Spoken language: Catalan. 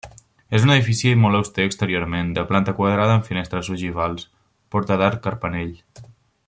És un edifici molt auster exteriorment, de planta quadrada, amb finestres ogivals, porta d'arc carpanell.